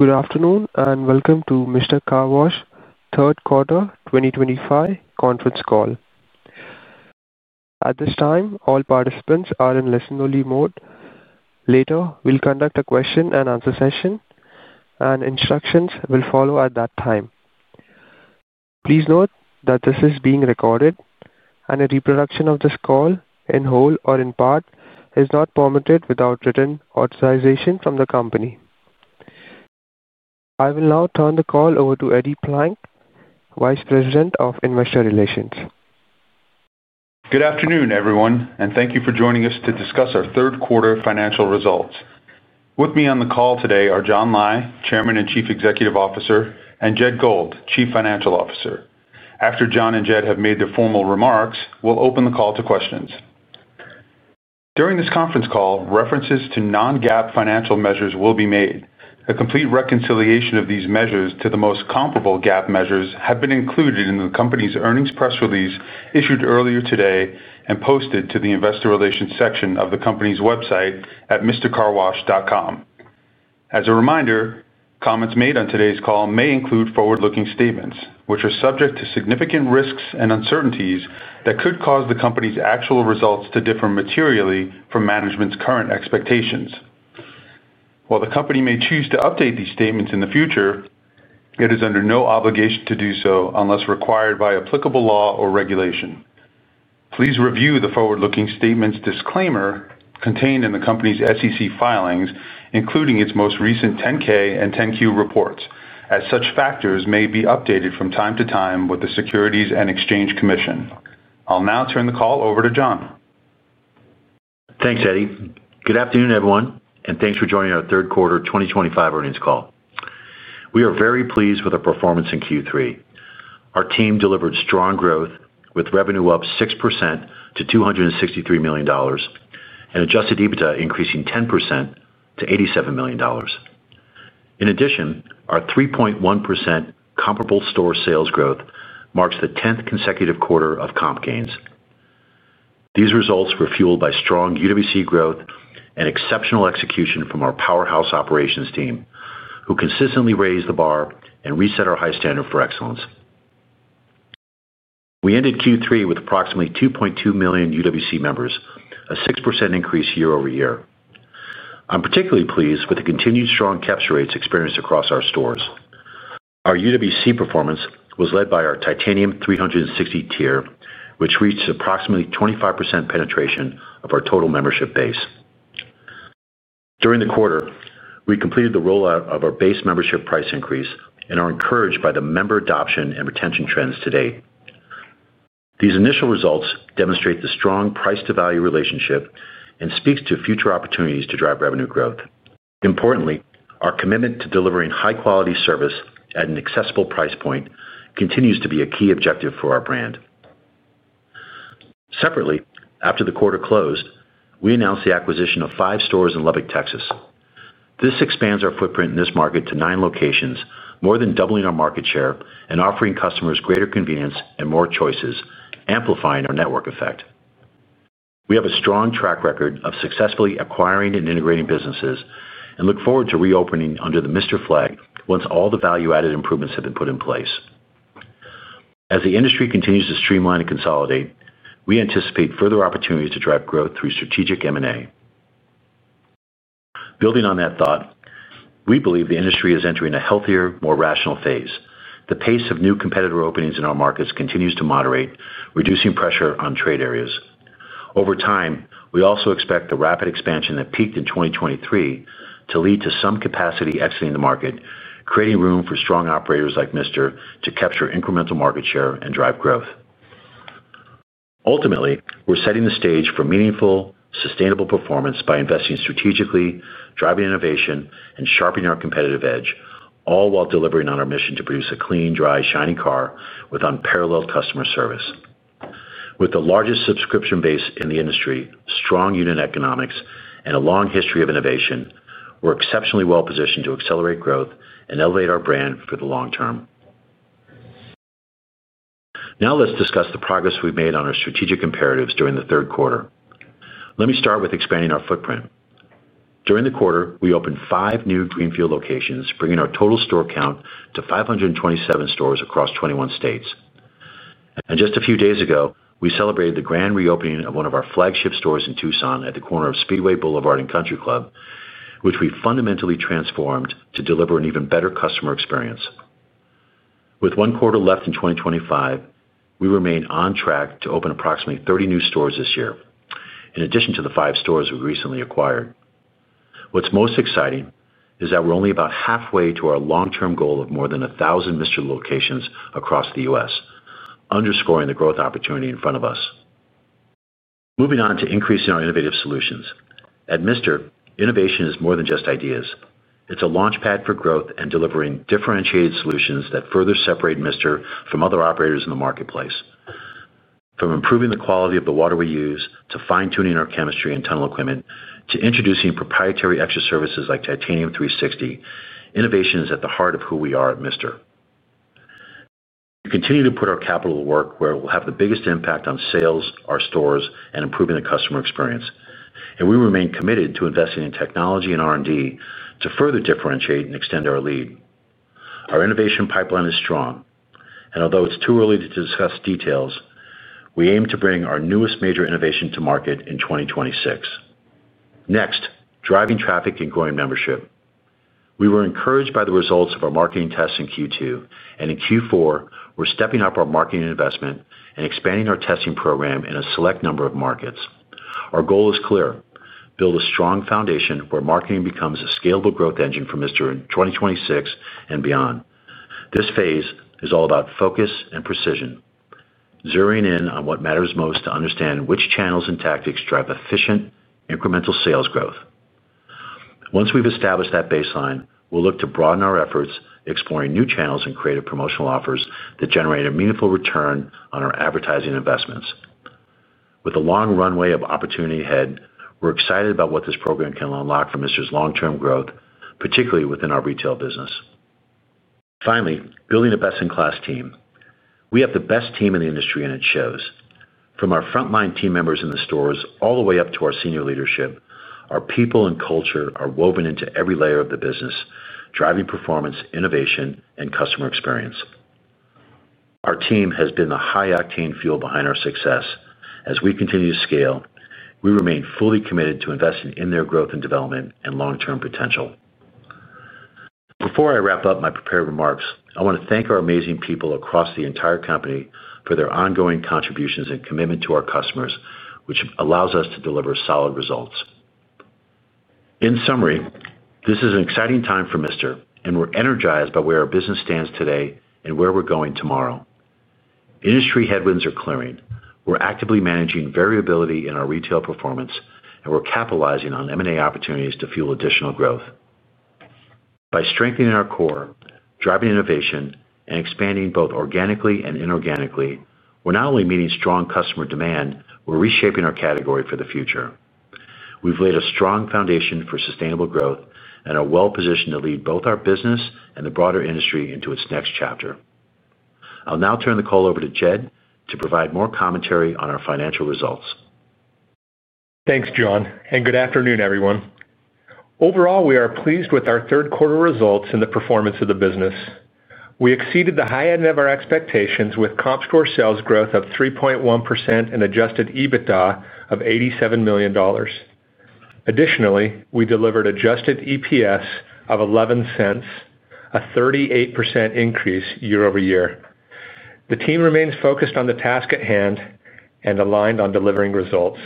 Good afternoon and welcome to Mister Car Wash third quarter 2025 conference call. At this time, all participants are in listen-only mode. Later, we'll conduct a question and answer session, and instructions will follow at that time. Please note that this is being recorded, and a reproduction of this call in whole or in part is not permitted without written authorization from the company. I will now turn the call over to Eddie Plank, Vice President of Investor Relations. Good afternoon, everyone, and thank you for joining us to discuss our third quarter financial results. With me on the call today are John Lai, Chairman and Chief Executive Officer, and Jed Gold, Chief Financial Officer. After John and Jed have made their formal remarks, we'll open the call to questions. During this conference call, references to non-GAAP financial measures will be made. A complete reconciliation of these measures to the most comparable GAAP measures has been included in the company's earnings press release issued earlier today and posted to the Investor Relations section of the company's website at mistercarwash.com. As a reminder, comments made on today's call may include forward-looking statements, which are subject to significant risks and uncertainties that could cause the company's actual results to differ materially from management's current expectations. While the company may choose to update these statements in the future, it is under no obligation to do so unless required by applicable law or regulation. Please review the forward-looking statements disclaimer contained in the company's SEC filings, including its most recent 10-K and 10-Q reports, as such factors may be updated from time to time with the Securities and Exchange Commission. I'll now turn the call over to John. Thanks, Eddie. Good afternoon, everyone, and thanks for joining our third quarter 2025 earnings call. We are very pleased with our performance in Q3. Our team delivered strong growth, with revenue up 6% to $263 million and adjusted EBITDA increasing 10% to $87 million. In addition, our 3.1% comparable store sales growth marks the 10th consecutive quarter of comp gains. These results were fueled by strong UWC growth and exceptional execution from our powerhouse operations team, who consistently raised the bar and reset our high standard for excellence. We ended Q3 with approximately 2.2 million UWC members, a 6% increase year-over-year. I'm particularly pleased with the continued strong capture rates experienced across our stores. Our UWC performance was led by our Titanium 360 tier, which reached approximately 25% penetration of our total membership base. During the quarter, we completed the rollout of our base membership price increase and are encouraged by the member adoption and retention trends to date. These initial results demonstrate the strong price-to-value relationship and speak to future opportunities to drive revenue growth. Importantly, our commitment to delivering high-quality service at an accessible price point continues to be a key objective for our brand. Separately, after the quarter closed, we announced the acquisition of five stores in Lubbock, Texas. This expands our footprint in this market to nine locations, more than doubling our market share and offering customers greater convenience and more choices, amplifying our network effect. We have a strong track record of successfully acquiring and integrating businesses and look forward to reopening under the Mister flag once all the value-added improvements have been put in place. As the industry continues to streamline and consolidate, we anticipate further opportunities to drive growth through strategic M&A. Building on that thought, we believe the industry is entering a healthier, more rational phase. The pace of new competitor openings in our markets continues to moderate, reducing pressure on trade areas. Over time, we also expect the rapid expansion that peaked in 2023 to lead to some capacity exiting the market, creating room for strong operators like Mister to capture incremental market share and drive growth. Ultimately, we're setting the stage for meaningful, sustainable performance by investing strategically, driving innovation, and sharpening our competitive edge, all while delivering on our mission to produce a clean, dry, shiny car with unparalleled customer service. With the largest subscription base in the industry, strong unit economics, and a long history of innovation, we're exceptionally well positioned to accelerate growth and elevate our brand for the long term. Now let's discuss the progress we've made on our strategic imperatives during the third quarter. Let me start with expanding our footprint. During the quarter, we opened five new Greenfield locations, bringing our total store count to 527 stores across 21 states. A few days ago, we celebrated the grand reopening of one of our flagship stores in Tucson at the corner of Speedway Boulevard and Country Club, which we fundamentally transformed to deliver an even better customer experience. With one quarter left in 2025, we remain on track to open approximately 30 new stores this year, in addition to the five stores we recently acquired. What's most exciting is that we're only about halfway to our long-term goal of more than 1,000 Mister locations across the U.S., underscoring the growth opportunity in front of us. Moving on to increasing our innovative solutions. At Mister, innovation is more than just ideas. It's a launchpad for growth and delivering differentiated solutions that further separate Mister from other operators in the marketplace. From improving the quality of the water we use to fine-tuning our chemistry and tunnel equipment to introducing proprietary extra services like Titanium 360, innovation is at the heart of who we are at Mister. We continue to put our capital to work where we'll have the biggest impact on sales, our stores, and improving the customer experience. We remain committed to investing in technology and R&D to further differentiate and extend our lead. Our innovation pipeline is strong, and although it's too early to discuss details, we aim to bring our newest major innovation to market in 2026. Next, driving traffic and growing membership. We were encouraged by the results of our marketing tests in Q2, and in Q4, we're stepping up our marketing investment and expanding our testing program in a select number of markets. Our goal is clear: build a strong foundation where marketing becomes a scalable growth engine for Mister in 2026 and beyond. This phase is all about focus and precision, zeroing in on what matters most to understand which channels and tactics drive efficient, incremental sales growth. Once we've established that baseline, we'll look to broaden our efforts, exploring new channels and creative promotional offers that generate a meaningful return on our advertising investments. With a long runway of opportunity ahead, we're excited about what this program can unlock for Mister's long-term growth, particularly within our retail business. Finally, building a best-in-class team. We have the best team in the industry, and it shows. From our frontline team members in the stores all the way up to our Senior Leadership, our people and culture are woven into every layer of the business, driving performance, innovation, and customer experience. Our team has been the high-octane fuel behind our success. As we continue to scale, we remain fully committed to investing in their growth and development and long-term potential. Before I wrap up my prepared remarks, I want to thank our amazing people across the entire company for their ongoing contributions and commitment to our customers, which allows us to deliver solid results. In summary, this is an exciting time for Mister, and we're energized by where our business stands today and where we're going tomorrow. Industry headwinds are clearing. We're actively managing variability in our retail performance, and we're capitalizing on M&A opportunities to fuel additional growth. By strengthening our core, driving innovation, and expanding both organically and inorganically, we're not only meeting strong customer demand, we're reshaping our category for the future. We've laid a strong foundation for sustainable growth and are well positioned to lead both our business and the broader industry into its next chapter. I'll now turn the call over to Jed to provide more commentary on our financial results. Thanks, John, and good afternoon, everyone. Overall, we are pleased with our third quarter results and the performance of the business. We exceeded the high end of our expectations with comp store sales growth of 3.1% and adjusted EBITDA of $87 million. Additionally, we delivered adjusted EPS of $0.11, a 38% increase year-over-year. The team remains focused on the task at hand and aligned on delivering results.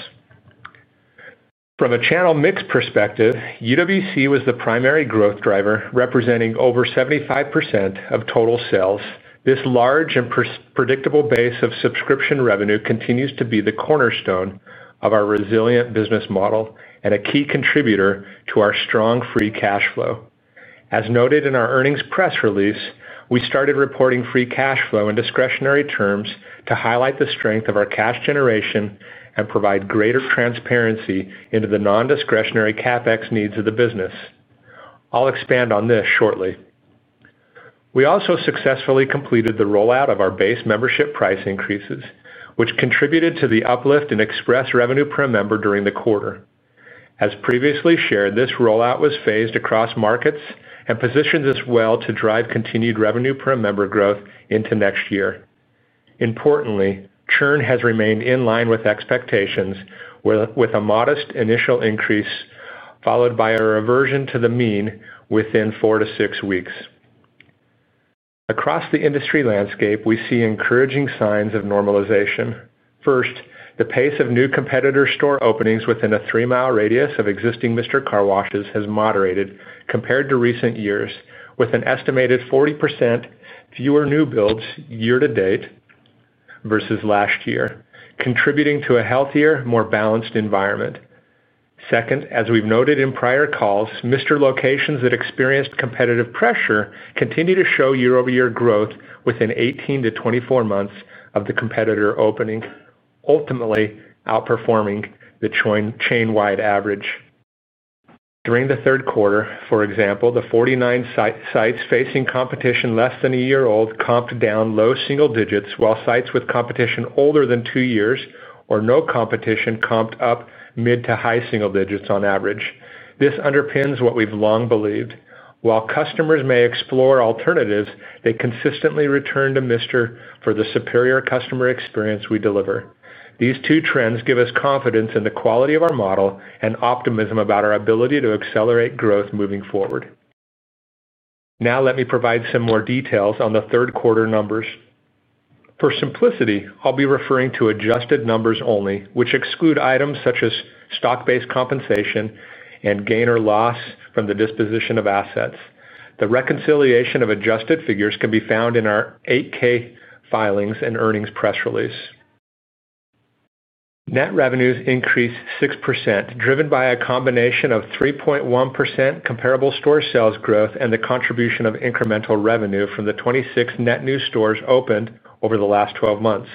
From a channel mix perspective, UWC was the primary growth driver, representing over 75% of total sales. This large and predictable base of subscription revenue continues to be the cornerstone of our resilient business model and a key contributor to our strong free cash flow. As noted in our earnings press release, we started reporting free cash flow in discretionary terms to highlight the strength of our cash generation and provide greater transparency into the non-discretionary CapEx needs of the business. I'll expand on this shortly. We also successfully completed the rollout of our Base membership price increases, which contributed to the uplift in express revenue per member during the quarter. As previously shared, this rollout was phased across markets and positions us well to drive continued revenue per member growth into next year. Importantly, churn has remained in line with expectations, with a modest initial increase followed by a reversion to the mean within four to six weeks. Across the industry landscape, we see encouraging signs of normalization. First, the pace of new competitor store openings within a three-mile radius of existing Mister Car Washes has moderated compared to recent years, with an estimated 40% fewer new builds year to date versus last year, contributing to a healthier, more balanced environment. Second, as we've noted in prior calls, Mister locations that experienced competitive pressure continue to show year-over-year growth within 18-24 months of the competitor opening, ultimately outperforming the chain-wide average. During the third quarter, for example, the 49 sites facing competition less than a year old comped down low single digits, while sites with competition older than two years or no competition comped up mid to high single digits on average. This underpins what we've long believed. While customers may explore alternatives, they consistently return to Mister for the superior customer experience we deliver. These two trends give us confidence in the quality of our model and optimism about our ability to accelerate growth moving forward. Now let me provide some more details on the third quarter numbers. For simplicity, I'll be referring to adjusted numbers only, which exclude items such as stock-based compensation and gain or loss from the disposition of assets. The reconciliation of adjusted figures can be found in our 8-K filings and earnings press release. Net revenues increased 6%, driven by a combination of 3.1% comparable store sales growth and the contribution of incremental revenue from the 26 net new stores opened over the last 12 months.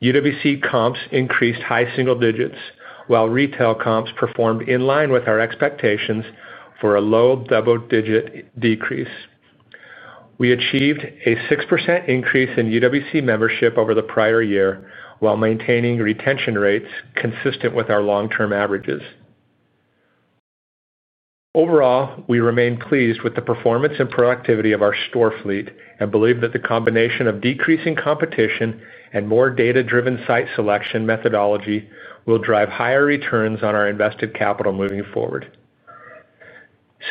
UWC comps increased high single digits, while retail comps performed in line with our expectations for a low double-digit decrease. We achieved a 6% increase in UWC membership over the prior year, while maintaining retention rates consistent with our long-term averages. Overall, we remain pleased with the performance and productivity of our store fleet and believe that the combination of decreasing competition and more data-driven site selection methodology will drive higher returns on our invested capital moving forward.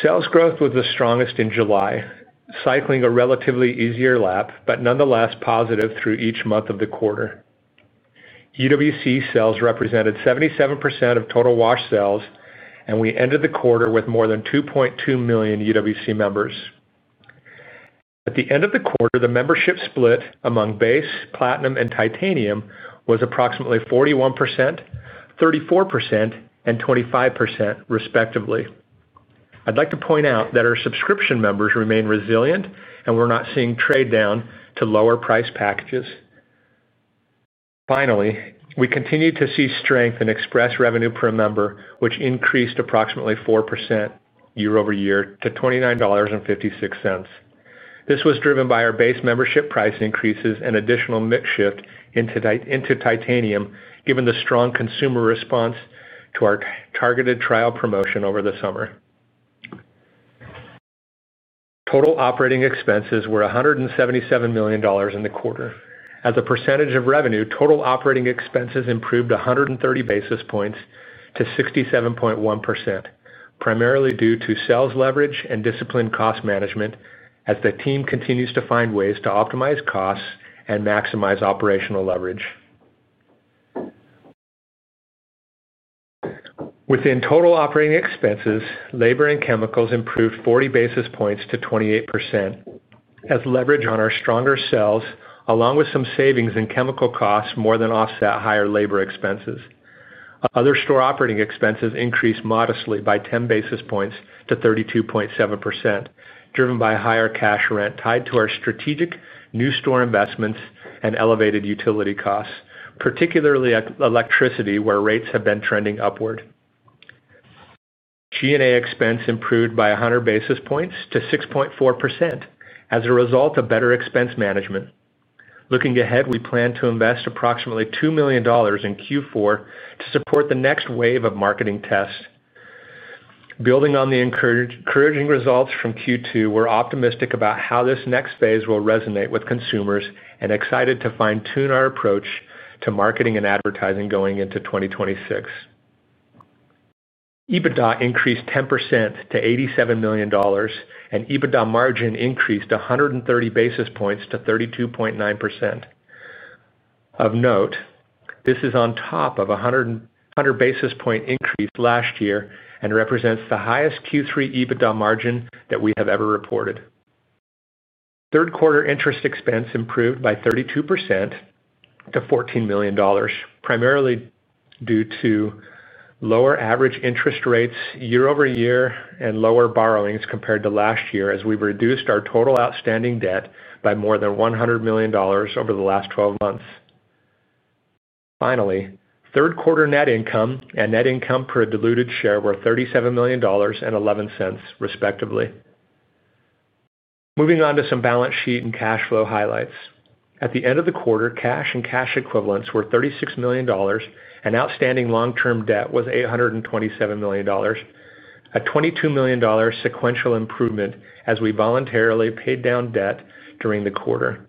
Sales growth was the strongest in July, cycling a relatively easier lap, but nonetheless positive through each month of the quarter. UWC sales represented 77% of total wash sales, and we ended the quarter with more than 2.2 million UWC members. At the end of the quarter, the membership split among Base, Platinum, and Titanium was approximately 41%, 34%, and 25% respectively. I'd like to point out that our subscription members remain resilient, and we're not seeing trade down to lower price packages. Finally, we continue to see strength in express revenue per member, which increased approximately 4% year-over-year to $29.56. This was driven by our Base membership price increases and additional mix shift into Titanium, given the strong consumer response to our targeted trial promotion over the summer. Total operating expenses were $177 million in the quarter. As a percentage of revenue, total operating expenses improved 130 basis points to 67.1%, primarily due to sales leverage and disciplined cost management, as the team continues to find ways to optimize costs and maximize operational leverage. Within total operating expenses, labor and chemicals improved 40 basis points to 28%, as leverage on our stronger sales, along with some savings in chemical costs, more than offset higher labor expenses. Other store operating expenses increased modestly by 10 basis points to 32.7%, driven by higher cash rent tied to our strategic new store investments and elevated utility costs, particularly electricity, where rates have been trending upward. G&A expense improved by 100 basis points to 6.4% as a result of better expense management. Looking ahead, we plan to invest approximately $2 million in Q4 to support the next wave of marketing tests. Building on the encouraging results from Q2, we're optimistic about how this next phase will resonate with consumers and excited to fine-tune our approach to marketing and advertising going into 2026. EBITDA increased 10% to $87 million, and EBITDA margin increased 130 basis points to 32.9%. Of note, this is on top of a 100 basis points increase last year and represents the highest Q3 EBITDA margin that we have ever reported. Third quarter interest expense improved by 32% to $14 million, primarily due to lower average interest rates year-over-year and lower borrowings compared to last year, as we've reduced our total outstanding debt by more than $100 million over the last 12 months. Finally, third quarter net income and net income per diluted share were $37 million and $0.11, respectively. Moving on to some balance sheet and cash flow highlights. At the end of the quarter, cash and cash equivalents were $36 million, and outstanding long-term debt was $827 million, a $22 million sequential improvement as we voluntarily paid down debt during the quarter.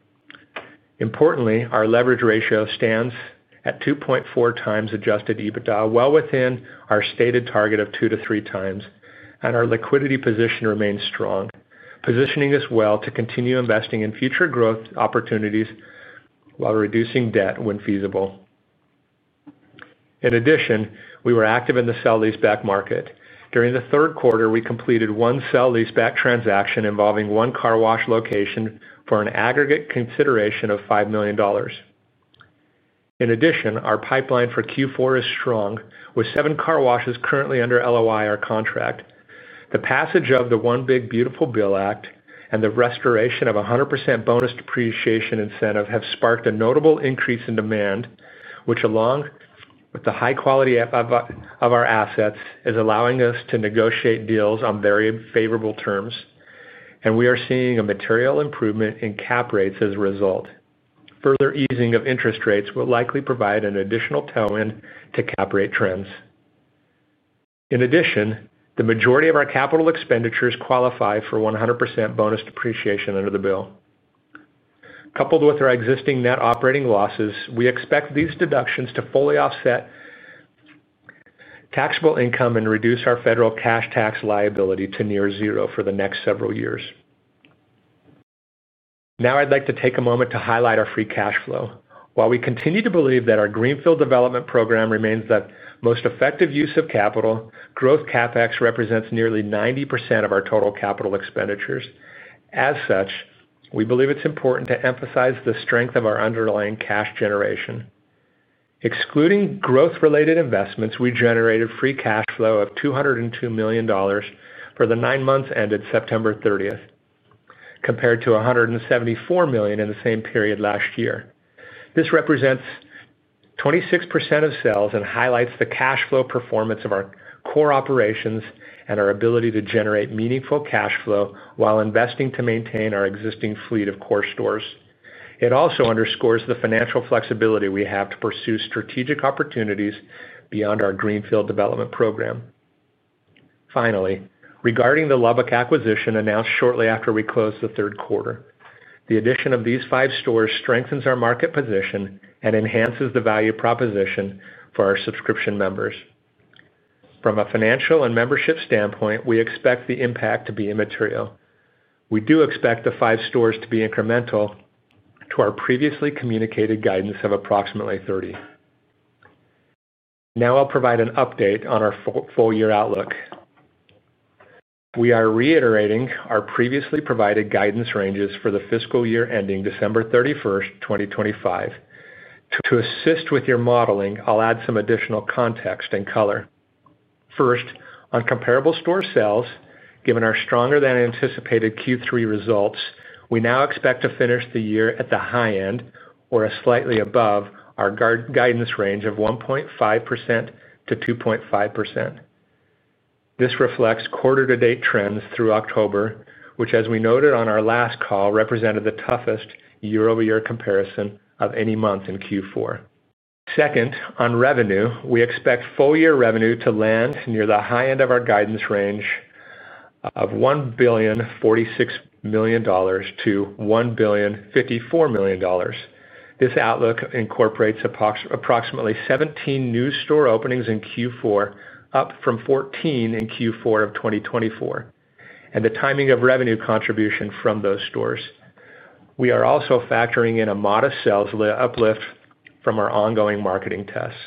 Importantly, our leverage ratio stands at 2.4x adjusted EBITDA, well within our stated target of 2x-3x, and our liquidity position remains strong, positioning us well to continue investing in future growth opportunities while reducing debt when feasible. In addition, we were active in the sale-leaseback market. During the third quarter, we completed one sale-leaseback transaction involving one car wash location for an aggregate consideration of $5 million. In addition, our pipeline for Q4 is strong, with seven car washes currently under LOI or contract. The passage of the One Big Beautiful Bill Act and the restoration of a 100% bonus depreciation incentive have sparked a notable increase in demand, which, along with the high quality of our assets, is allowing us to negotiate deals on very favorable terms, and we are seeing a material improvement in cap rates as a result. Further easing of interest rates will likely provide an additional tailwind to cap rate trends. In addition, the majority of our capital expenditures qualify for 100% bonus depreciation under the bill. Coupled with our existing net operating losses, we expect these deductions to fully offset taxable income and reduce our federal cash tax liability to near zero for the next several years. Now I'd like to take a moment to highlight our free cash flow. While we continue to believe that our Greenfield development program remains the most effective use of capital, growth CapEx represents nearly 90% of our total capital expenditures. As such, we believe it's important to emphasize the strength of our underlying cash generation. Excluding growth-related investments, we generated free cash flow of $202 million for the nine months ended September 30th, compared to $174 million in the same period last year. This represents 26% of sales and highlights the cash flow performance of our core operations and our ability to generate meaningful cash flow while investing to maintain our existing fleet of core stores. It also underscores the financial flexibility we have to pursue strategic opportunities beyond our Greenfield development program. Finally, regarding the Lubbock acquisition announced shortly after we closed the third quarter, the addition of these five stores strengthens our market position and enhances the value proposition for our subscription members. From a financial and membership standpoint, we expect the impact to be immaterial. We do expect the five stores to be incremental to our previously communicated guidance of approximately 30. Now I'll provide an update on our full-year outlook. We are reiterating our previously provided guidance ranges for the fiscal year ending December 31st, 2025. To assist with your modeling, I'll add some additional context and color. First, on comparable store sales, given our stronger than anticipated Q3 results, we now expect to finish the year at the high end or slightly above our guidance range of 1.5%-2.5%. This reflects quarter-to-date trends through October, which, as we noted on our last call, represented the toughest year-over-year comparison of any month in Q4. Second, on revenue, we expect full-year revenue to land near the high end of our guidance range of $1.046 billion-$1.054 billion. This outlook incorporates approximately 17 new store openings in Q4, up from 14 in Q4 of 2024, and the timing of revenue contribution from those stores. We are also factoring in a modest sales uplift from our ongoing marketing tests.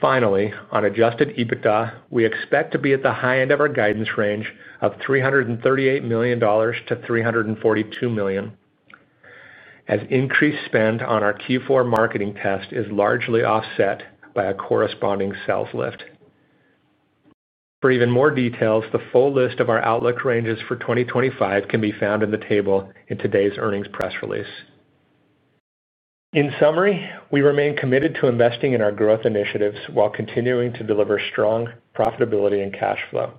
Finally, on adjusted EBITDA, we expect to be at the high end of our guidance range of $338 million-$342 million, as increased spend on our Q4 marketing test is largely offset by a corresponding sales lift. For even more details, the full list of our outlook ranges for 2025 can be found in the table in today's earnings press release. In summary, we remain committed to investing in our growth initiatives while continuing to deliver strong profitability and cash flow.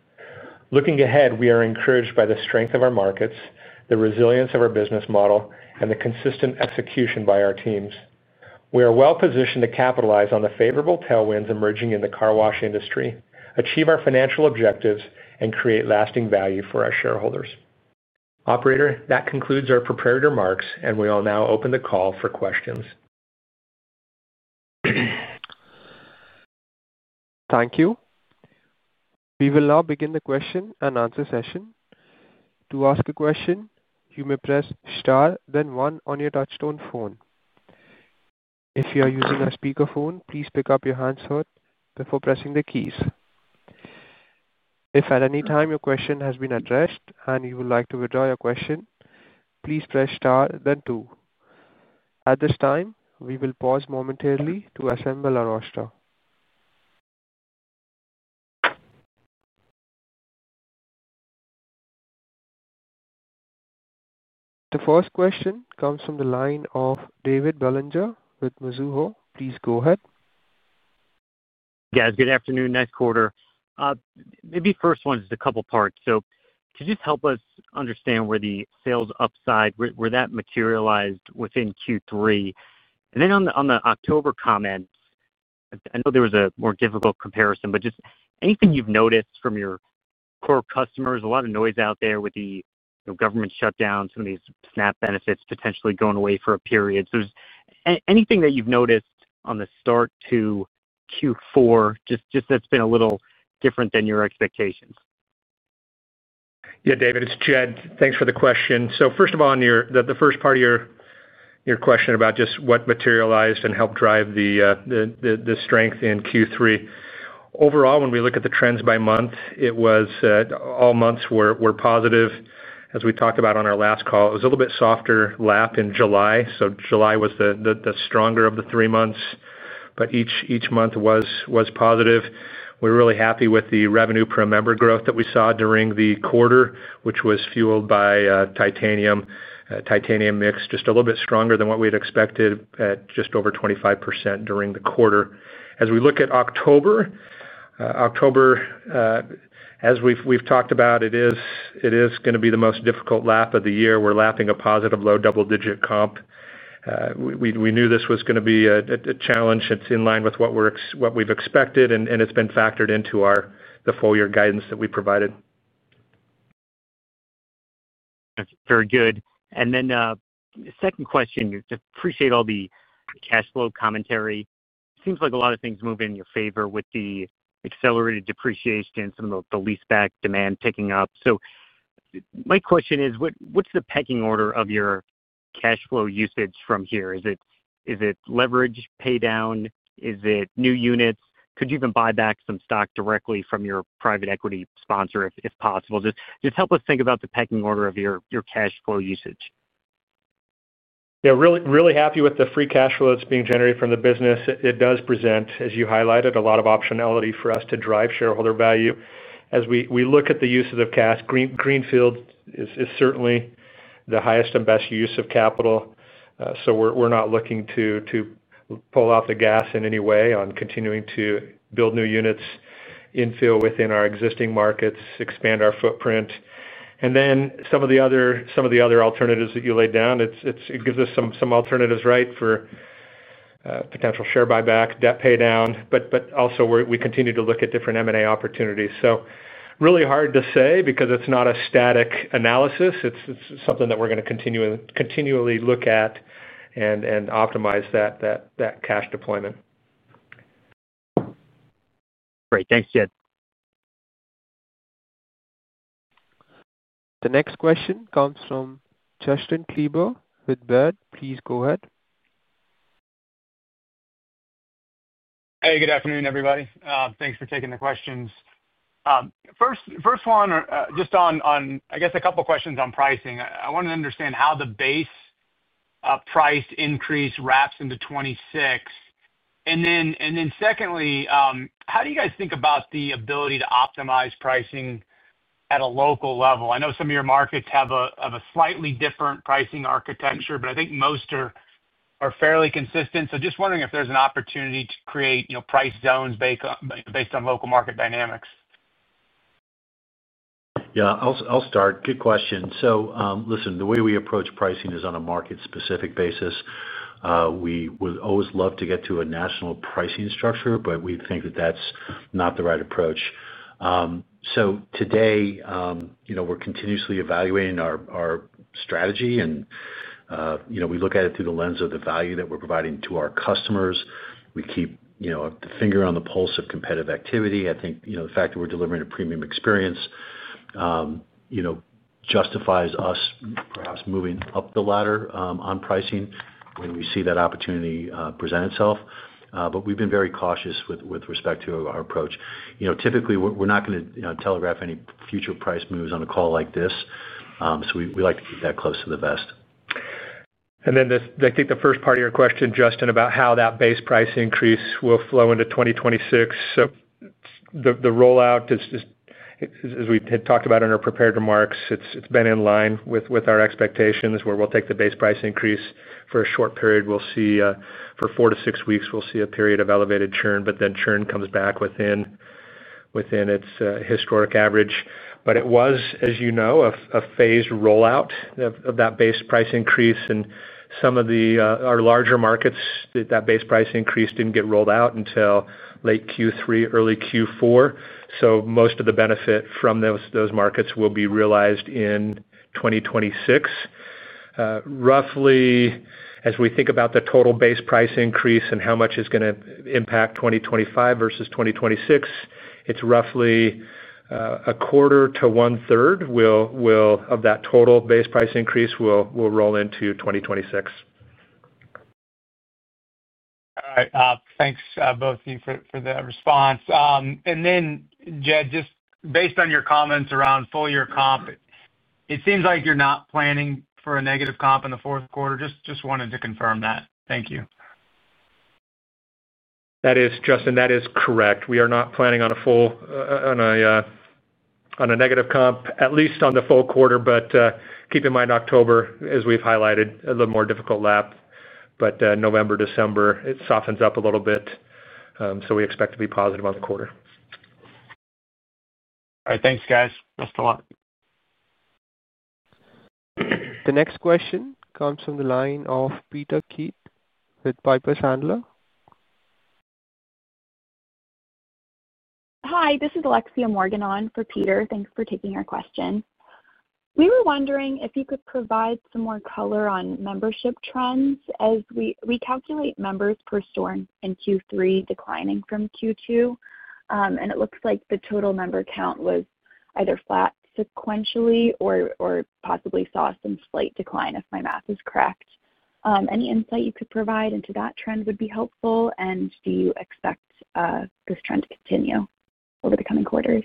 Looking ahead, we are encouraged by the strength of our markets, the resilience of our business model, and the consistent execution by our teams. We are well positioned to capitalize on the favorable tailwinds emerging in the car wash industry, achieve our financial objectives, and create lasting value for our shareholders. Operator, that concludes our prepared remarks, and we will now open the call for questions. Thank you. We will now begin the question and answer session. To ask a question, you may press star, then one on your touch-tone phone. If you are using a speakerphone, please pick up your handset before pressing the keys. If at any time your question has been addressed and you would like to withdraw your question, please press star, then two. At this time, we will pause momentarily to assemble our roster. The first question comes from the line of David Bellinger with Mizuho. Please go ahead. Guys, good afternoon. Next quarter, maybe first one is a couple parts. Could you just help us understand where the sales upside, where that materialized within Q3? On the October comments, I know there was a more difficult comparison, but just anything you've noticed from your core customers? A lot of noise out there with the government shutdown, some of these SNAP benefits potentially going away for a period. Just anything that you've noticed on the start to Q4 that's been a little different than your expectations? Yeah, David, it's Jed. Thanks for the question. First of all, on the first part of your question about just what materialized and helped drive the strength in Q3, overall, when we look at the trends by month, all months were positive. As we talked about on our last call, it was a little bit softer lap in July. July was the stronger of the three months, but each month was positive. We're really happy with the revenue per member growth that we saw during the quarter, which was fueled by Titanium. Titanium mix was just a little bit stronger than what we had expected at just over 25% during the quarter. As we look at October, as we've talked about, it is going to be the most difficult lap of the year. We're lapping a positive low double-digit comp. We knew this was going to be a challenge. It's in line with what we've expected, and it's been factored into the full-year guidance that we provided. That's very good. The second question, I appreciate all the cash flow commentary. It seems like a lot of things move in your favor with the accelerated depreciation, some of the leaseback demand picking up. My question is, what's the pecking order of your cash flow usage from here? Is it leverage, pay down? Is it new units? Could you even buy back some stock directly from your private equity sponsor if possible? Just help us think about the pecking order of your cash flow usage. Yeah, really happy with the free cash flow that's being generated from the business. It does present, as you highlighted, a lot of optionality for us to drive shareholder value. As we look at the uses of cash, Greenfield is certainly the highest and best use of capital. We're not looking to pull out the gas in any way on continuing to build new units infield within our existing markets, expand our footprint. Some of the other alternatives that you laid down, it gives us some alternatives, right, for potential share buyback, debt pay down, but also we continue to look at different M&A opportunities. It's really hard to say because it's not a static analysis. It's something that we're going to continually look at and optimize that cash deployment. Great. Thanks, Jed. The next question comes from Justin Kleber with Baird. Please go ahead. Hey, good afternoon, everybody. Thanks for taking the questions. First one, just on, I guess, a couple of questions on pricing. I wanted to understand how the base price increase wraps into 2026. Then, how do you guys think about the ability to optimize pricing at a local level? I know some of your markets have a slightly different pricing architecture, but I think most are fairly consistent. Just wondering if there's an opportunity to create price zones based on local market dynamics. Yeah, I'll start. Good question. The way we approach pricing is on a market-specific basis. We would always love to get to a national pricing structure, but we think that that's not the right approach. Today, we're continuously evaluating our strategy, and we look at it through the lens of the value that we're providing to our customers. We keep the finger on the pulse of competitive activity. I think the fact that we're delivering a premium experience justifies us perhaps moving up the ladder on pricing when we see that opportunity present itself. We've been very cautious with respect to our approach. Typically, we're not going to telegraph any future price moves on a call like this. We like to keep that close to the vest. I think the first part of your question, Justin, about how that base price increase will flow into 2026. The rollout, as we had talked about in our prepared remarks, has been in line with our expectations where we'll take the base price increase for a short period. We'll see for four to six weeks a period of elevated churn, but then churn comes back within its historic average. It was, as you know, a phased rollout of that base price increase, and in some of our larger markets, that base price increase didn't get rolled out until late Q3, early Q4. Most of the benefit from those markets will be realized in 2026. Roughly, as we think about the total base price increase and how much is going to impact 2025 versus 2026, it's roughly a quarter to one-third of that total base price increase will roll into 2026. All right. Thanks, both of you, for the response. Jed, just based on your comments around full-year comp, it seems like you're not planning for a negative comp in the fourth quarter. Just wanted to confirm that. Thank you. That is, Justin, that is correct. We are not planning on a full on a negative comp, at least on the full quarter. Keep in mind October, as we've highlighted, a little more difficult lap. November, December, it softens up a little bit. We expect to be positive on the quarter. All right. Thanks, guys. Best of luck. The next question comes from the line of Peter Keith with Piper Sandler. Hi, this is Alexia Morgan on for Peter. Thanks for taking our question. We were wondering if you could provide some more color on membership trends as we calculate members per store in Q3 declining from Q2. It looks like the total member count was either flat sequentially or possibly saw some slight decline if my math is correct. Any insight you could provide into that trend would be helpful. Do you expect this trend to continue over the coming quarters?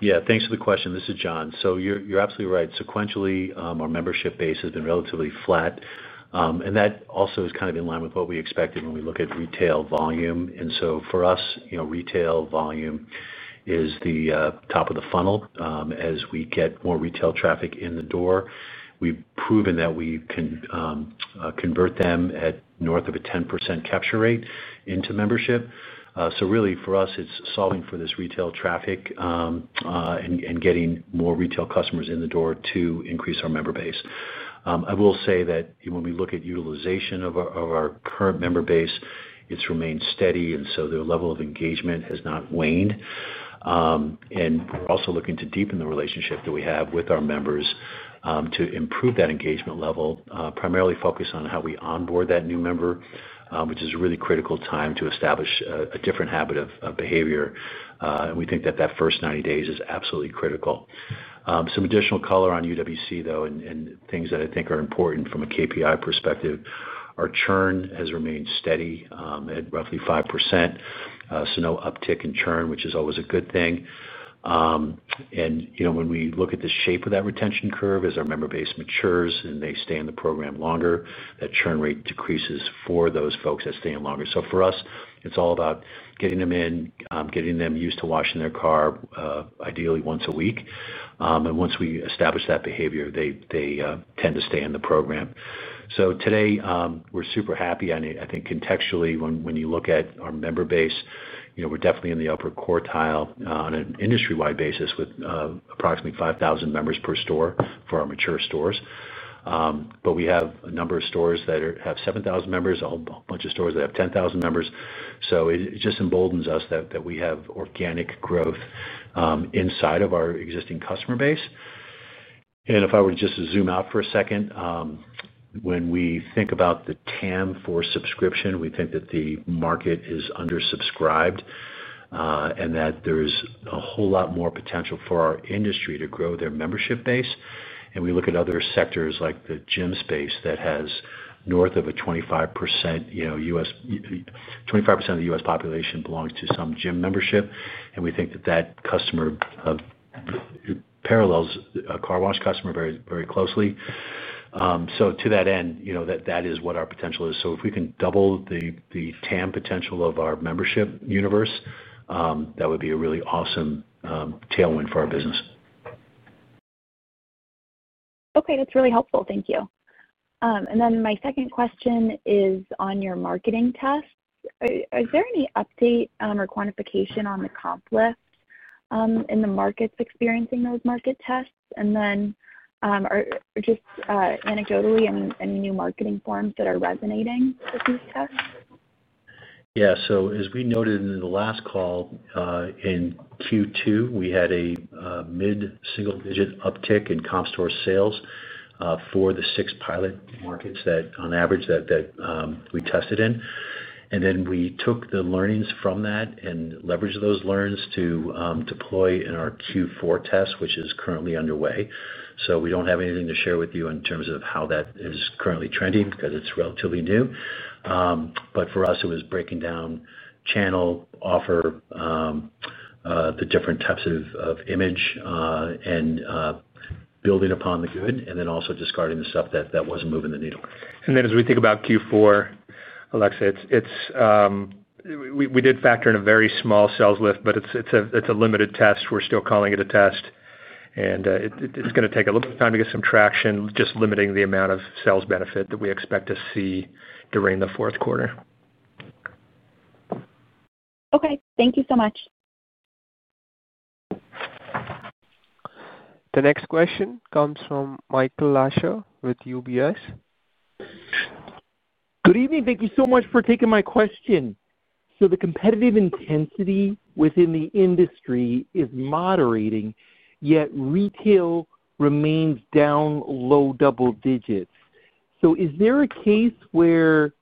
Yeah, thanks for the question. This is John. You're absolutely right. Sequentially, our membership base has been relatively flat. That also is kind of in line with what we expected when we look at retail volume. For us, retail volume is the top of the funnel. As we get more retail traffic in the door, we've proven that we can convert them at north of a 10% capture rate into membership. Really, for us, it's solving for this retail traffic and getting more retail customers in the door to increase our member base. I will say that when we look at utilization of our current member base, it's remained steady, and the level of engagement has not waned. We're also looking to deepen the relationship that we have with our members to improve that engagement level, primarily focused on how we onboard that new member, which is a really critical time to establish a different habit of behavior. We think that that first 90 days is absolutely critical. Some additional color on UWC, though, and things that I think are important from a KPI perspective, our churn has remained steady at roughly 5%. No uptick in churn, which is always a good thing. When we look at the shape of that retention curve, as our member base matures and they stay in the program longer, that churn rate decreases for those folks that stay in longer. For us, it's all about getting them in, getting them used to washing their car ideally once a week. Once we establish that behavior, they tend to stay in the program. Today, we're super happy. I think contextually, when you look at our member base, we're definitely in the upper quartile on an industry-wide basis with approximately 5,000 members per store for our mature stores. We have a number of stores that have 7,000 members, a bunch of stores that have 10,000 members. It just emboldens us that we have organic growth inside of our existing customer base. If I were to just zoom out for a second, when we think about the TAM for subscription, we think that the market is undersubscribed and that there's a whole lot more potential for our industry to grow their membership base. We look at other sectors like the gym space that has north of a 25%. 25% of the U.S. population belongs to some gym membership. We think that that customer parallels a car wash customer very, very closely. To that end, that is what our potential is. If we can double the TAM potential of our membership universe, that would be a really awesome tailwind for our business. Okay, that's really helpful. Thank you. My second question is on your marketing tests. Is there any update or quantification on the comp lift in the markets experiencing those market tests? Are there, just anecdotally, any new marketing forms that are resonating with these tests? Yeah, as we noted in the last call, in Q2, we had a mid-single-digit uptick in comparable store sales for the six pilot markets that, on average, we tested in. We took the learnings from that and leveraged those learnings to deploy in our Q4 test, which is currently underway. We don't have anything to share with you in terms of how that is currently trending because it's relatively new. For us, it was breaking down channel, offer, the different types of image, building upon the good, and also discarding the stuff that wasn't moving the needle. As we think about Q4, Alexia, we did factor in a very small sales lift, but it's a limited test. We're still calling it a test, and it's going to take a little bit of time to get some traction, just limiting the amount of sales benefit that we expect to see during the fourth quarter. Okay, thank you so much. The next question comes from Michael Lasser with UBS. Good evening. Thank you so much for taking my question. The competitive intensity within the industry is moderating, yet retail remains down low double digits. Is there a case where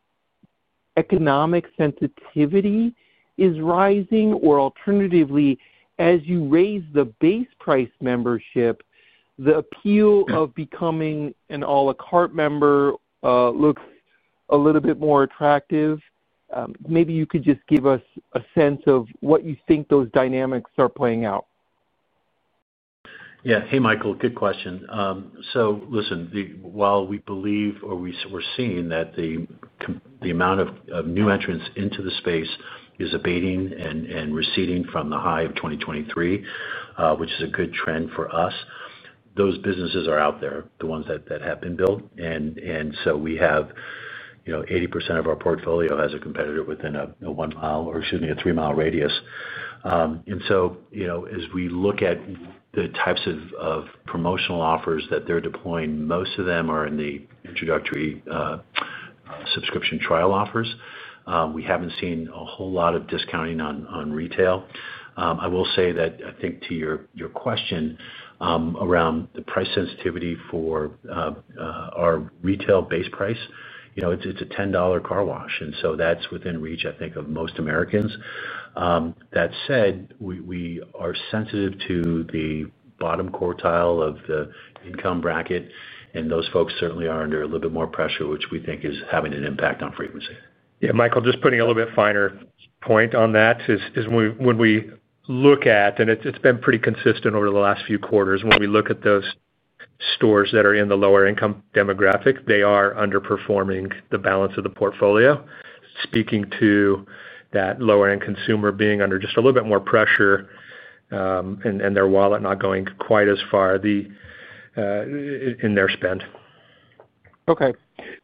economic sensitivity is rising, or alternatively, as you raise the Base membership price, the appeal of becoming an a la carte member looks a little bit more attractive? Maybe you could just give us a sense of what you think those dynamics are playing out. Yeah. Hey, Michael. Good question. Listen, while we believe or we're seeing that the amount of new entrants into the space is abating and receding from the high of 2023, which is a good trend for us, those businesses are out there, the ones that have been built. We have 80% of our portfolio has a competitor within a one-mile or, excuse me, a three-mile radius. As we look at the types of promotional offers that they're deploying, most of them are in the introductory, subscription trial offers. We haven't seen a whole lot of discounting on retail. I will say that I think to your question, around the price sensitivity for our retail base price, you know, it's a $10 car wash. That's within reach, I think, of most Americans. That said, we are sensitive to the bottom quartile of the income bracket, and those folks certainly are under a little bit more pressure, which we think is having an impact on frequency. Yeah, Michael, just putting a little bit finer point on that, when we look at, and it's been pretty consistent over the last few quarters, when we look at those stores that are in the lower income demographic, they are underperforming the balance of the portfolio. Speaking to that lower-end consumer being under just a little bit more pressure, and their wallet not going quite as far in their spend. Okay.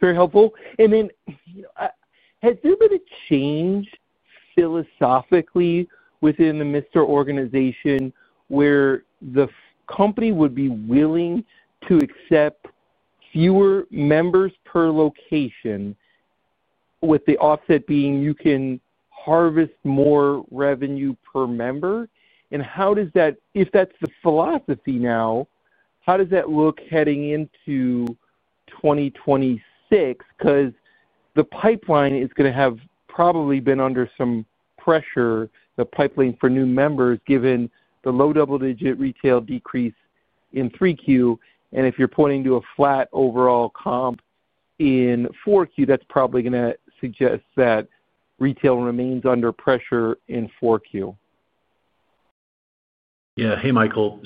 Very helpful. Has there been a change philosophically within the Mister organization where the company would be willing to accept fewer members per location, with the offset being you can harvest more revenue per member? How does that, if that's the philosophy now, look heading into 2026? The pipeline is going to have probably been under some pressure, the pipeline for new members, given the low double-digit retail decrease in 3Q. If you're pointing to a flat overall comp in 4Q, that's probably going to suggest that retail remains under pressure in 4Q. Yeah. Hey, Michael.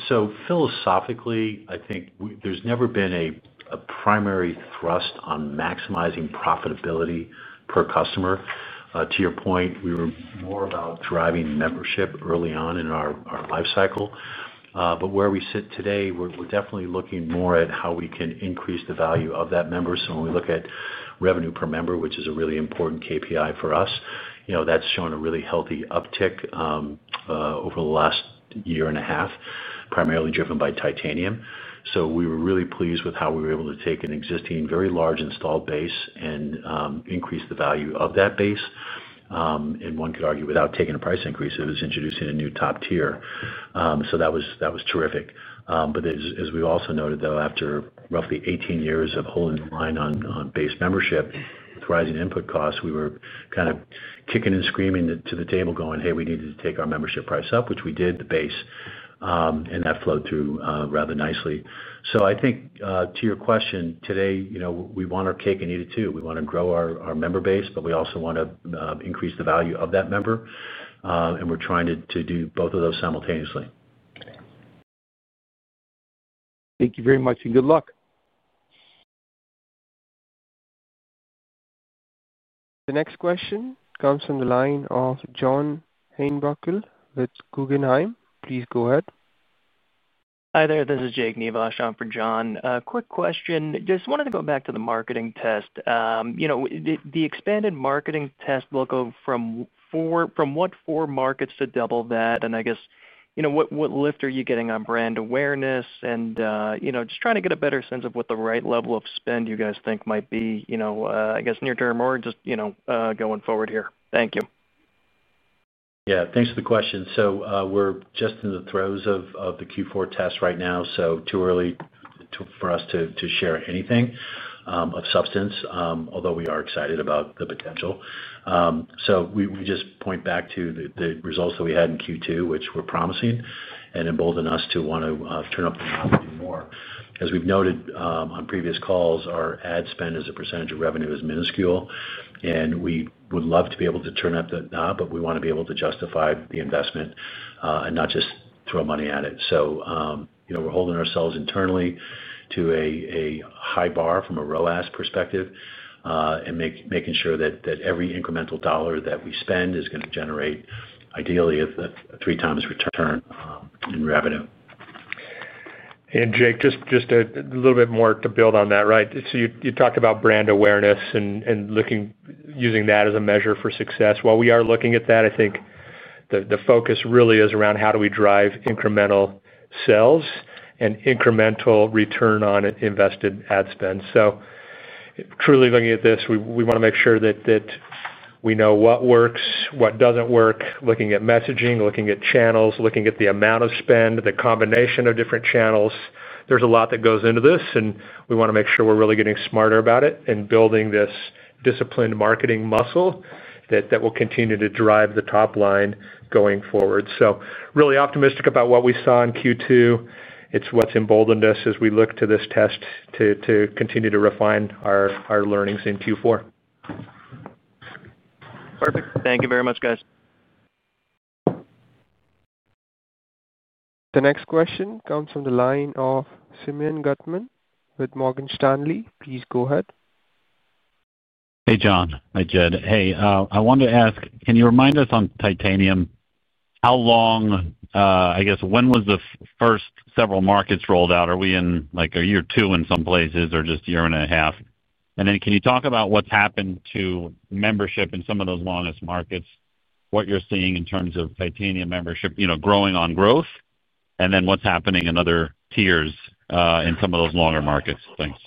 Philosophically, I think there's never been a primary thrust on maximizing profitability per customer. To your point, we were more about driving membership early on in our lifecycle. Where we sit today, we're definitely looking more at how we can increase the value of that member. When we look at revenue per member, which is a really important KPI for us, that's shown a really healthy uptick over the last year and a half, primarily driven by Titanium. We were really pleased with how we were able to take an existing very large installed base and increase the value of that base. One could argue without taking a price increase, it was introducing a new top tier. That was terrific. As we also noted, after roughly 18 years of holding the line on Base membership with rising input costs, we were kind of kicking and screaming to the table going, "Hey, we need to take our membership price up," which we did. The Base. That flowed through rather nicely. To your question, today, we want our cake and eat it too. We want to grow our member base, but we also want to increase the value of that member. We're trying to do both of those simultaneously. Thank you very much, and good luck. The next question comes from the line of John Heinbockel with Guggenheim. Please go ahead. Hi there. This is Jake Nivasch on for John. A quick question. Just wanted to go back to the marketing test. The expanded marketing test will go from four markets to double that. I guess, what lift are you getting on brand awareness? Just trying to get a better sense of what the right level of spend you guys think might be, I guess near-term or just going forward here. Thank you. Yeah, thanks for the question. We're just in the throes of the Q4 test right now. It's too early for us to share anything of substance, although we are excited about the potential. We just point back to the results that we had in Q2, which were promising and embolden us to want to turn up the knob and do more. As we've noted on previous calls, our ad spend as a percentage of revenue is minuscule. We would love to be able to turn up the knob, but we want to be able to justify the investment and not just throw money at it. We're holding ourselves internally to a high bar from a ROAS perspective and making sure that every incremental dollar that we spend is going to generate, ideally, a 3x return in revenue. Jake, just a little bit more to build on that, right? You talked about brand awareness and using that as a measure for success. While we are looking at that, I think the focus really is around how do we drive incremental sales and incremental return on invested ad spend. Truly looking at this, we want to make sure that we know what works, what doesn't work, looking at messaging, looking at channels, looking at the amount of spend, the combination of different channels. There's a lot that goes into this, and we want to make sure we're really getting smarter about it and building this disciplined marketing muscle that will continue to drive the top line going forward. I am really optimistic about what we saw in Q2. It's what's emboldened us as we look to this test to continue to refine our learnings in Q4. Perfect. Thank you very much, guys. The next question comes from the line of Simeon Gutman with Morgan Stanley. Please go ahead. Hey, John. Hi, Jed. I wanted to ask, can you remind us on Titanium, how long, I guess, when was the first several markets rolled out? Are we in like a year or two in some places or just a year and a half? Can you talk about what's happened to membership in some of those longest markets, what you're seeing in terms of Titanium membership, you know, growing on growth, and then what's happening in other tiers in some of those longer markets? Thanks.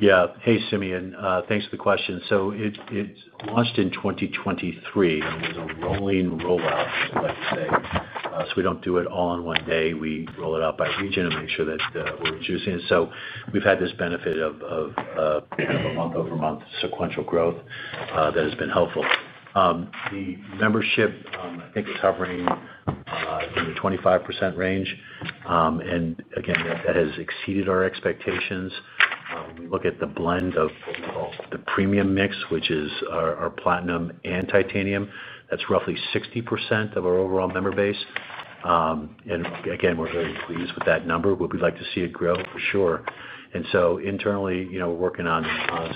Yeah. Hey, Simeon. Thanks for the question. It launched in 2023, and it was a rolling rollout, let's say. We don't do it all in one day. We roll it out by region and make sure that we're introducing it. We've had this benefit of kind of a month-over-month sequential growth that has been helpful. The membership, I think, is hovering in the 25% range. That has exceeded our expectations. We look at the blend of what we call the premium mix, which is our Platinum and Titanium. That's roughly 60% of our overall member base. We're very pleased with that number. We'd like to see it grow for sure. Internally, you know, we're working on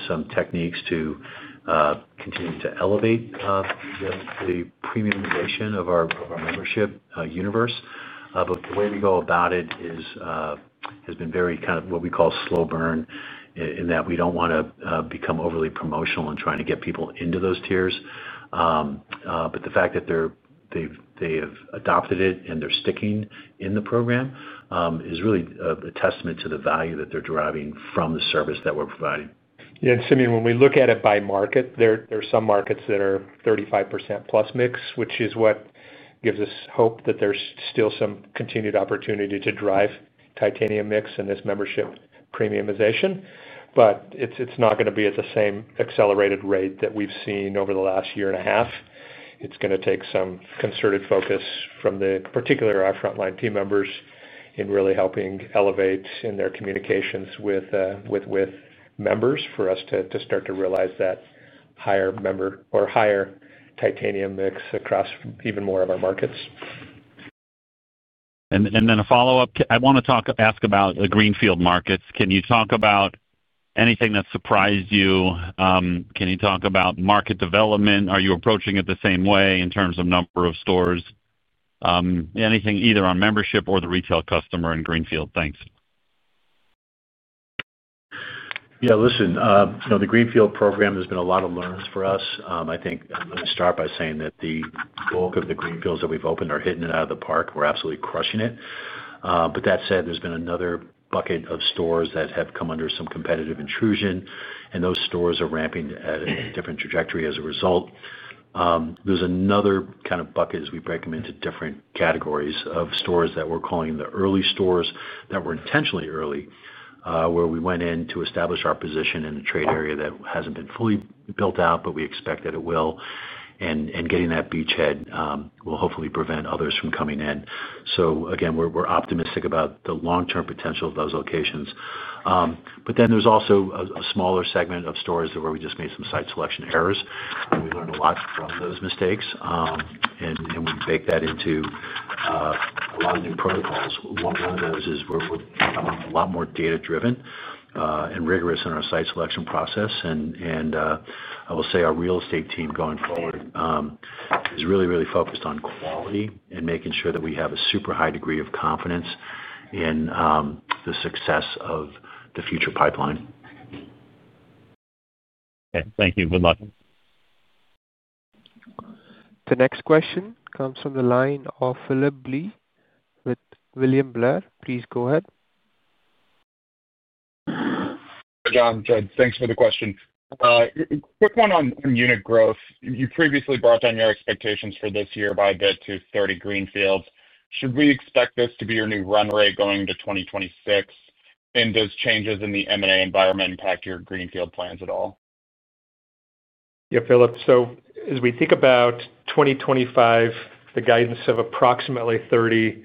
some techniques to continue to elevate the premiumization of our membership universe. The way we go about it has been very kind of what we call slow burn, in that we don't want to become overly promotional in trying to get people into those tiers. The fact that they have adopted it and they're sticking in the program is really a testament to the value that they're deriving from the service that we're providing. Yeah, and Simeon, when we look at it by market, there are some markets that are 35%+ mix, which is what gives us hope that there's still some continued opportunity to drive Titanium mix and this membership premiumization. It's not going to be at the same accelerated rate that we've seen over the last year and a half. It's going to take some concerted focus from particularly our frontline team members in really helping elevate in their communications with members for us to start to realize that higher member or higher Titanium mix across even more of our markets. I want to ask about the Greenfield markets. Can you talk about anything that surprised you? Can you talk about market development? Are you approaching it the same way in terms of number of stores? Anything either on membership or the retail customer in Greenfield? Thanks. Yeah, listen, you know, the Greenfield program has been a lot of learns for us. I think let me start by saying that the bulk of the Greenfields that we've opened are hitting it out of the park. We're absolutely crushing it. That said, there's been another bucket of stores that have come under some competitive intrusion, and those stores are ramping at a different trajectory as a result. There's another kind of bucket as we break them into different categories of stores that we're calling the early stores that were intentionally early, where we went in to establish our position in a trade area that hasn't been fully built out, but we expect that it will. Getting that beachhead will hopefully prevent others from coming in. Again, we're optimistic about the long-term potential of those locations. There's also a smaller segment of stores where we just made some site selection errors, and we learned a lot from those mistakes. We bake that into a lot of new protocols. One of those is we're becoming a lot more data-driven and rigorous in our site selection process. I will say our real estate team going forward is really, really focused on quality and making sure that we have a super high degree of confidence in the success of the future pipeline. Okay, thank you. Good luck. The next question comes from the line of Phillip Blee with William Blair. Please go ahead. John, Jed, thanks for the question. Quick one on unit growth. You previously brought down your expectations for this year by a bit to 30 Greenfield locations. Should we expect this to be your new run rate going into 2026? Does changes in the M&A environment impact your Greenfield plans at all? Yeah, Phillip. As we think about 2025, the guidance of approximately 30,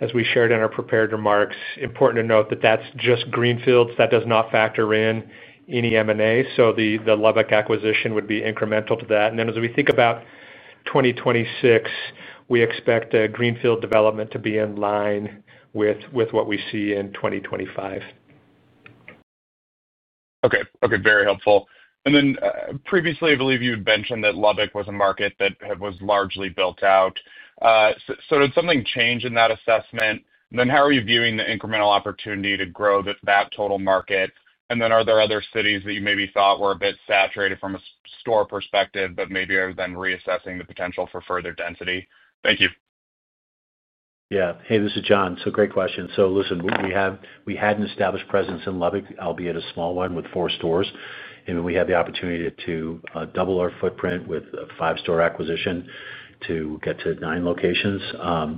as we shared in our prepared remarks, it's important to note that that's just Greenfield locations. That does not factor in any M&A. The Lubbock, Texas acquisition would be incremental to that. As we think about 2026, we expect Greenfield development to be in line with what we see in 2025. Okay, very helpful. Previously, I believe you had mentioned that Lubbock, Texas was a market that was largely built out. Did something change in that assessment? How are you viewing the incremental opportunity to grow that total market? Are there other cities that you maybe thought were a bit saturated from a store perspective, but maybe are then reassessing the potential for further density? Thank you. Yeah. Hey, this is John. Great question. Listen, we had an established presence in Lubbock, albeit a small one with four stores. We had the opportunity to double our footprint with a five-store acquisition to get to nine locations.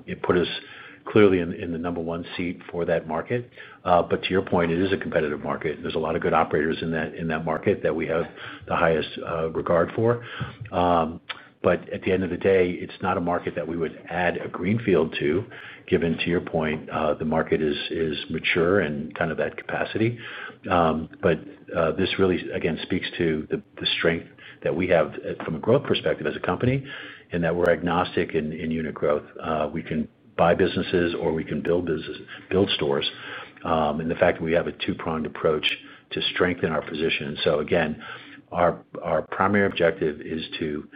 It put us clearly in the number one seat for that market. To your point, it is a competitive market, and there are a lot of good operators in that market that we have the highest regard for. At the end of the day, it's not a market that we would add a Greenfield to, given, to your point, the market is mature and kind of at capacity. This really, again, speaks to the strength that we have from a growth perspective as a company and that we're agnostic in unit growth. We can buy businesses or we can build stores, and the fact that we have a two-pronged approach to strengthen our position. Again, our primary objective is to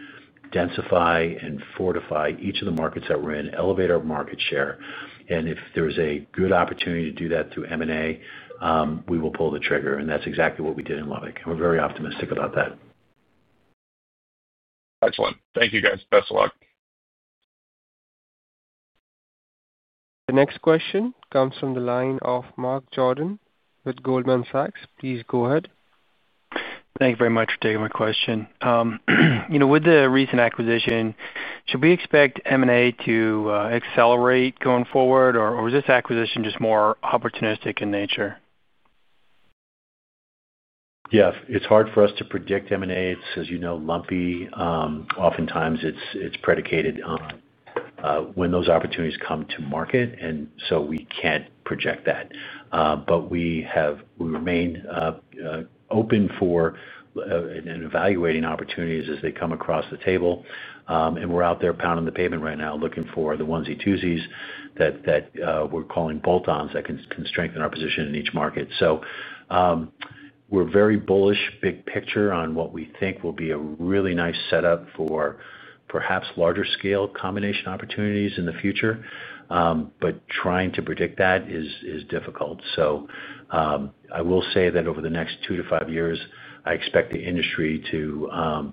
densify and fortify each of the markets that we're in, elevate our market share, and if there's a good opportunity to do that through M&A, we will pull the trigger. That's exactly what we did in Lubbock, and we're very optimistic about that. Excellent. Thank you, guys. Best of luck. The next question comes from the line of Mark Jordan with Goldman Sachs. Please go ahead. Thank you very much for taking my question. With the recent acquisition, should we expect M&A to accelerate going forward, or is this acquisition just more opportunistic in nature? Yeah, it's hard for us to predict M&A. It's, as you know, lumpy. Oftentimes, it's predicated on when those opportunities come to market, and we can't project that. We have remained open for and evaluating opportunities as they come across the table. We're out there pounding the pavement right now looking for the onesie-twosies that we're calling bolt-ons that can strengthen our position in each market. We're very bullish, big picture, on what we think will be a really nice setup for perhaps larger scale combination opportunities in the future. Trying to predict that is difficult. I will say that over the next two to five years, I expect the industry to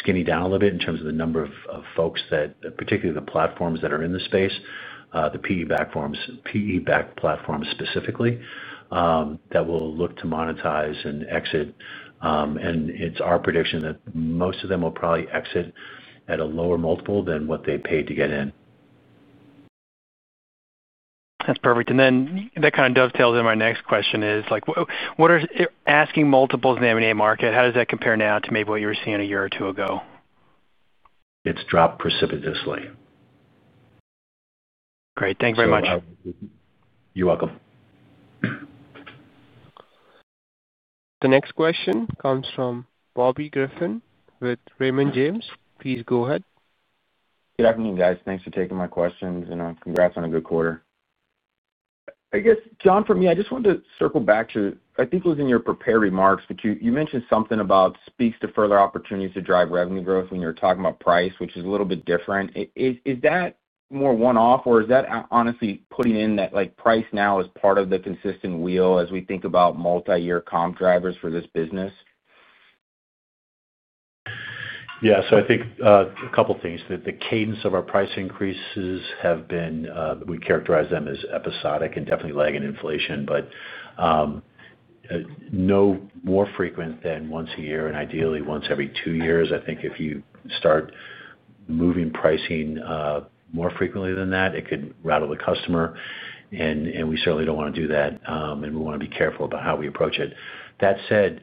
skinny down a little bit in terms of the number of folks that, particularly the platforms that are in the space, the PE-backed platforms specifically, that will look to monetize and exit. It's our prediction that most of them will probably exit at a lower multiple than what they paid to get in. That's perfect. That kind of dovetails in my next question: what are asking multiples in the M&A market? How does that compare now to maybe what you were seeing a year or two ago? It's dropped precipitously. Great, thanks very much. You're welcome. The next question comes from Bobby Griffin with Raymond James. Please go ahead. Good afternoon, guys. Thanks for taking my questions, and congrats on a good quarter. I guess, John, for me, I just wanted to circle back to, I think it was in your prepared remarks, but you mentioned something about speaks to further opportunities to drive revenue growth when you're talking about price, which is a little bit different. Is that more one-off, or is that honestly putting in that like price now as part of the consistent wheel as we think about multi-year comp drivers for this business? I think a couple of things. The cadence of our price increases have been, we characterize them as episodic and definitely lagging inflation, but no more frequent than once a year and ideally once every two years. I think if you start moving pricing more frequently than that, it could rattle the customer. We certainly don't want to do that, and we want to be careful about how we approach it. That said,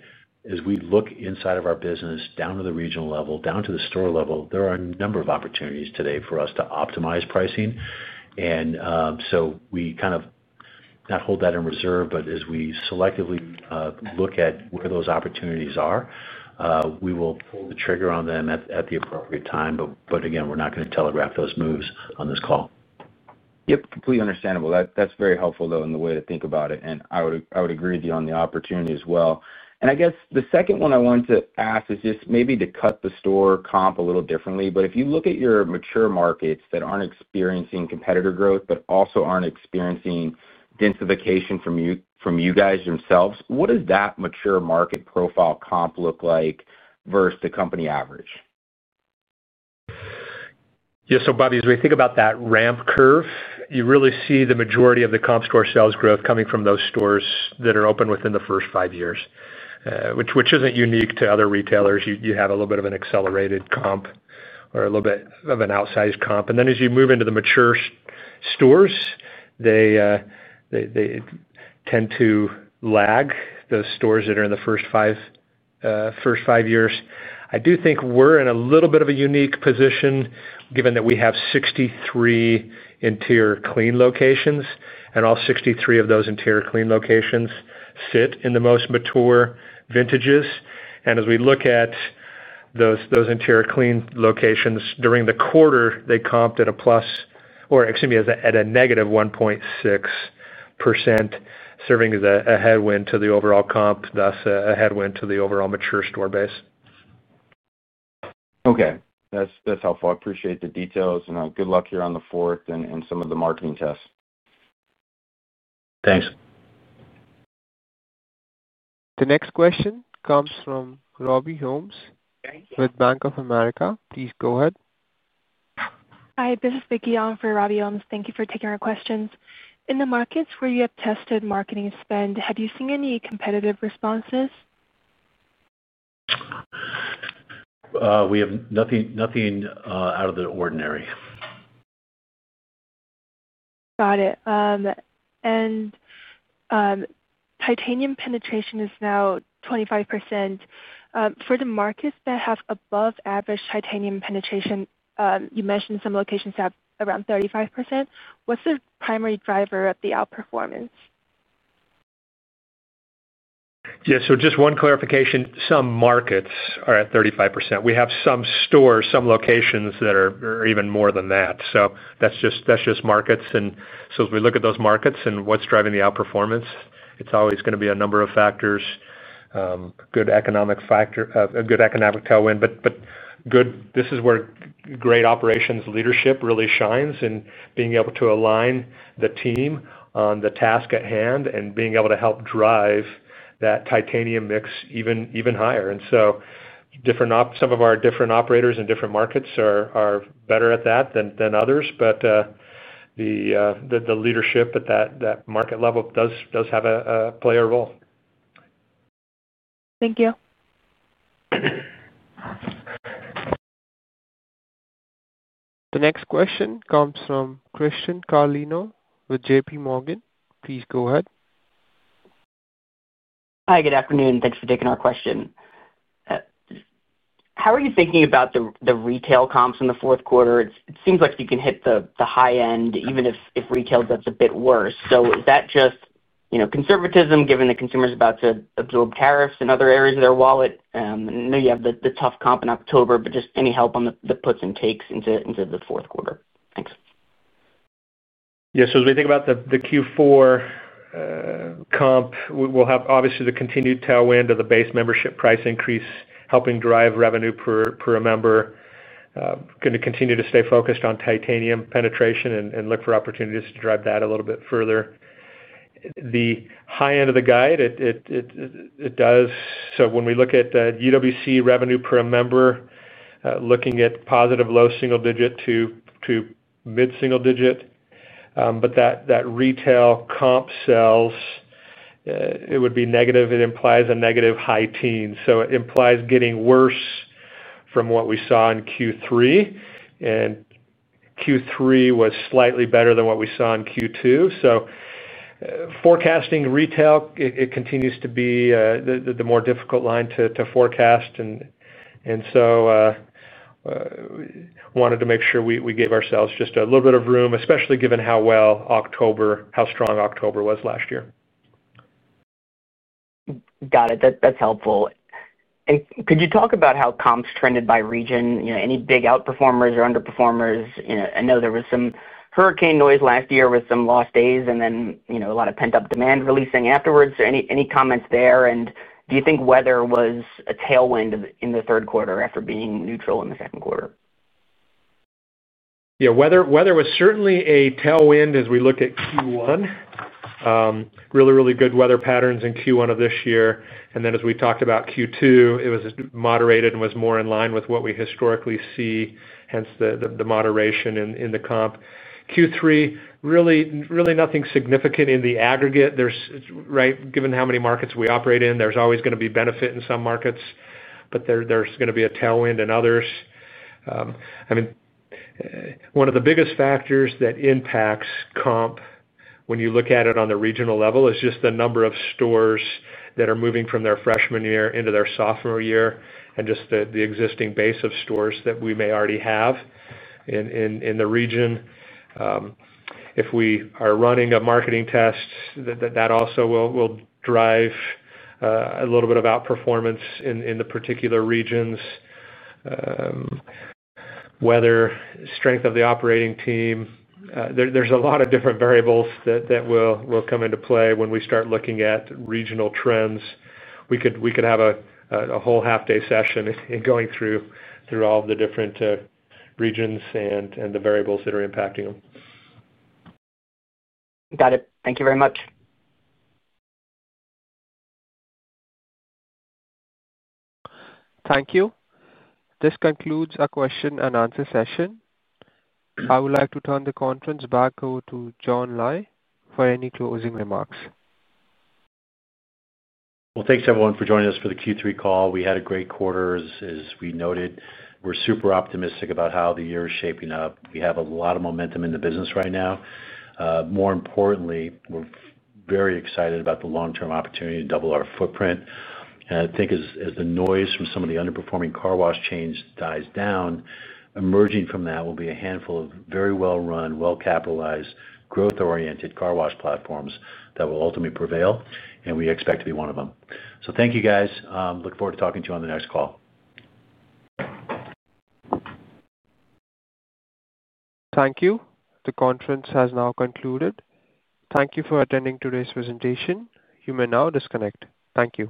as we look inside of our business down to the regional level, down to the store level, there are a number of opportunities today for us to optimize pricing. We kind of not hold that in reserve, but as we selectively look at where those opportunities are, we will pull the trigger on them at the appropriate time. Again, we're not going to telegraph those moves on this call. Yep. Completely understandable. That's very helpful, though, in the way to think about it. I would agree with you on the opportunity as well. I guess the second one I wanted to ask is just maybe to cut the store comp a little differently. If you look at your mature markets that aren't experiencing competitor growth but also aren't experiencing densification from you guys themselves, what does that mature market profile comp look like versus the company average? Yeah. As we think about that ramp curve, you really see the majority of the comp store sales growth coming from those stores that are open within the first five years, which isn't unique to other retailers. You have a little bit of an accelerated comp or a little bit of an outsized comp. As you move into the mature stores, they tend to lag those stores that are in the first five years. I do think we're in a little bit of a unique position given that we have 63 interior clean locations, and all 63 of those interior clean locations sit in the most mature vintages. As we look at those interior clean locations, during the quarter, they comped at a -1.6%, serving as a headwind to the overall comp, thus a headwind to the overall mature store base. Okay, that's helpful. I appreciate the details, and good luck here on the fourth and some of the marketing tests. Thanks. The next question comes from Robbie Holmes with Bank of America. Please go ahead. Hi. This is Vicky Yu on for Robbie Holmes. Thank you for taking our questions. In the markets where you have tested marketing spend, have you seen any competitive responses? We have nothing out of the ordinary. Got it. Titanium penetration is now 25%. For the markets that have above average Titanium penetration, you mentioned some locations have around 35%. What's the primary driver of the outperformance? Yeah. Just one clarification. Some markets are at 35%. We have some stores, some locations that are even more than that. That's just markets. As we look at those markets and what's driving the outperformance, it's always going to be a number of factors. A good economic factor, a good economic tailwind. This is where great operations leadership really shines in being able to align the team on the task at hand and being able to help drive that Titanium mix even higher. Some of our different operators in different markets are better at that than others. The leadership at that market level does have a player role. Thank you. The next question comes from Christian Carlino with JPMorgan. Please go ahead. Hi. Good afternoon. Thanks for taking our question. How are you thinking about the retail comps in the fourth quarter? It seems like you can hit the high end, even if retail does a bit worse. Is that just, you know, conservatism given the consumer is about to absorb tariffs in other areas of their wallet? I know you have the tough comp in October, but any help on the puts and takes into the fourth quarter? Thanks. Yeah. As we think about the Q4 comp, we'll have obviously the continued tailwind of the Base membership price increase helping drive revenue per member. Going to continue to stay focused on Titanium penetration and look for opportunities to drive that a little bit further. The high end of the guide, it does. When we look at UWC revenue per member, looking at positive low single-digit to mid-single-digit. That retail comp sells, it would be negative. It implies a negative high teen. It implies getting worse from what we saw in Q3. Q3 was slightly better than what we saw in Q2. Forecasting retail continues to be the more difficult line to forecast. I wanted to make sure we gave ourselves just a little bit of room, especially given how strong October was last year. Got it. That's helpful. Could you talk about how comps trended by region? You know, any big outperformers or underperformers? I know there was some hurricane noise last year with some lost days and then a lot of pent-up demand releasing afterwards. Any comments there? Do you think weather was a tailwind in the third quarter after being neutral in the second quarter? Yeah, weather was certainly a tailwind as we look at Q1. Really, really good weather patterns in Q1 of this year. As we talked about Q2, it was moderated and was more in line with what we historically see, hence the moderation in the comp. Q3, really, really nothing significant in the aggregate. Given how many markets we operate in, there's always going to be benefit in some markets, but there's going to be a tailwind in others. One of the biggest factors that impacts comp when you look at it on the regional level is just the number of stores that are moving from their freshman year into their sophomore year and just the existing base of stores that we may already have in the region. If we are running a marketing test, that also will drive a little bit of outperformance in the particular regions. Weather, strength of the operating team, there's a lot of different variables that will come into play when we start looking at regional trends. We could have a whole half-day session in going through all of the different regions and the variables that are impacting them. Got it. Thank you very much. Thank you. This concludes our question and answer session. I would like to turn the conference back over to John Lai for any closing remarks. Thank you everyone for joining us for the Q3 call. We had a great quarter, as we noted. We're super optimistic about how the year is shaping up. We have a lot of momentum in the business right now. More importantly, we're very excited about the long-term opportunity to double our footprint. I think as the noise from some of the underperforming car wash chains dies down, emerging from that will be a handful of very well-run, well-capitalized, growth-oriented car wash platforms that will ultimately prevail, and we expect to be one of them. Thank you, guys. Look forward to talking to you on the next call. Thank you. The conference has now concluded. Thank you for attending today's presentation. You may now disconnect. Thank you.